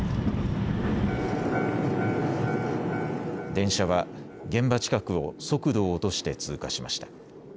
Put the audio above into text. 電車は現場近くを速度を落として通過しました。